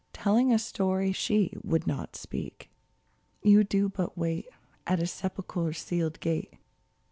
Telling a story she would not speak ! You do but wait At a sepulchre's sealed gate